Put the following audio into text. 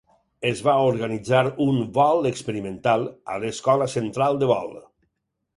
Es va organitzar un "vol experimental" a l'Escola central de vol.